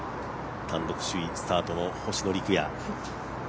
単独首位スタートの星野陸也。